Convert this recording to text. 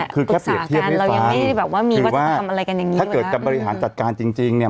แบบอุตสาหกันเรายังไม่ได้แบบว่ามีว่าจะทำอะไรกันอย่างงี้ถ้าเกิดการบริหารจัดการจริงจริงเนี้ย